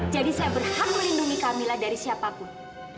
jadi saya berhak melindungi kamila dari siapapun